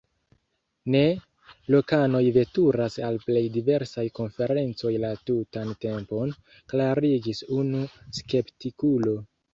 Ne, lokanoj veturas al plej diversaj konferencoj la tutan tempon, klarigis unu skeptikulo.